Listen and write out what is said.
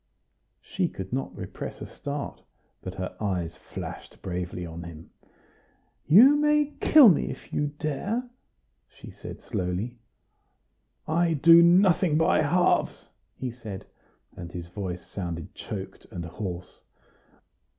She could not repress a start, but her eyes flashed bravely on him. "You may kill me if you dare," she said slowly. "I do nothing by halves," he said, and his voice sounded choked and hoarse.